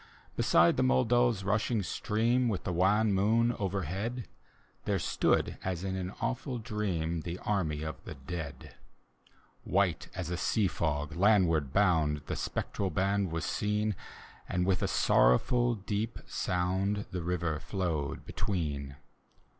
Beside the Mc4dau's rushing stream, With the wan moon overhead, There stood, as in an awful dream, The anny of the dead. White as a sea fc%, landward bound. The spectral band was seen. And with a sorrowful deep sound. The river flowed between.